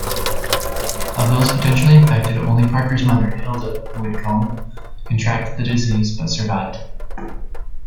Of those potentially infected, only Parker's mother, Hilda Witcomb, contracted the disease but survived.